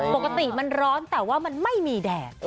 ปกติมันร้อนแต่ว่ามันไม่มีแดด